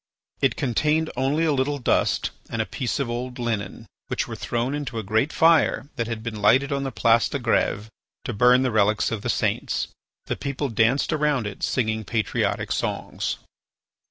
It contained only a little dust and a piece of old linen, which were thrown into a great fire that had been lighted on the Place de Grève to burn the relics of the saints. The people danced around it singing patriotic songs.